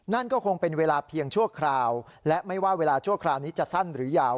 นั่นก็คงเป็นเวลาเพียงชั่วคราวและไม่ว่าเวลาชั่วคราวนี้จะสั้นหรือยาว